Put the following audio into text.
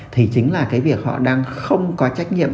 thì chính là cái việc họ đang không có trách nhiệm